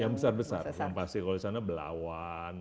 yang besar besar yang pasti kalau di sana belawan